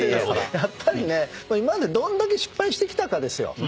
やっぱりね今までどんだけ失敗してきたかですよ。